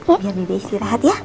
biar nidia istri rahat ya